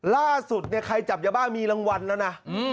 ล่าสุดเนี่ยใครจับยาบ้ามีรางวัลแล้วนะ